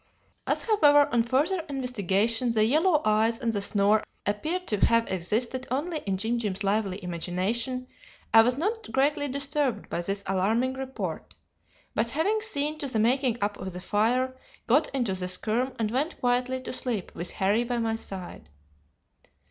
"As, however, on further investigation the yellow eyes and the snore appeared to have existed only in Jim Jim's lively imagination, I was not greatly disturbed by this alarming report; but having seen to the making up of the fire, got into the skerm and went quietly to sleep with Harry by my side.